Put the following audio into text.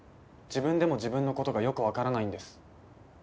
自分でも自分の事がよくわからないんです。